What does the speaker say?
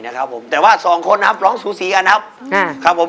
นะครับผมแต่ว่าสองคนนะครับร้องสูสีกันนะครับอ่าครับผม